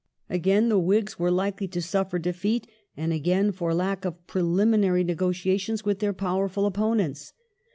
Again the Whigs were likely to suffer defeat, and again for lack of preliminary negotiations with their powerful opponents.